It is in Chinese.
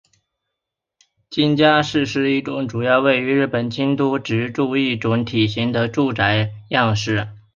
京町家是一种主要位于日本京都的职住一体型的住宅样式。